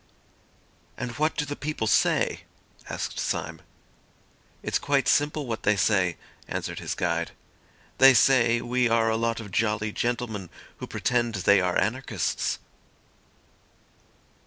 "And what do the people say?" asked Syme. "It's quite simple what they say," answered his guide. "They say we are a lot of jolly gentlemen who pretend they are anarchists."